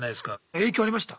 影響ありました？